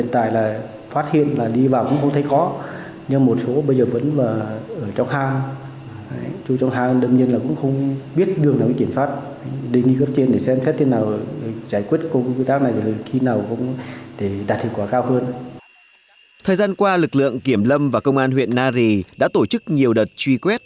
thời gian qua lực lượng kiểm lâm và công an huyện nari đã tổ chức nhiều đợt truy quét